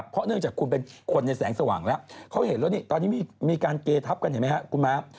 เพราะเนื่องจากคุณเป็นคนในแสงสว่างแล้วเขาเห็นแล้วนี่ตอนนี้มีการเกทับกันเห็นไหมครับคุณม้า